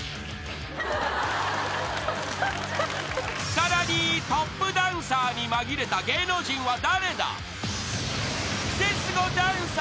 ［さらにトップダンサーに紛れた芸能人は誰だ？］